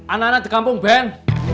anak anak di kampung ben